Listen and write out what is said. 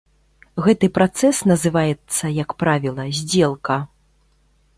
Гэты працэс называецца, як правіла, здзелка.